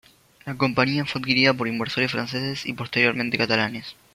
La compañía fue adquirida por inversores franceses y posteriormente catalanes.